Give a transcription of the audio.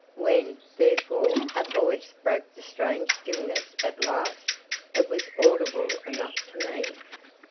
When, therefore, a voice broke the strange stillness at last, it was audible enough to me.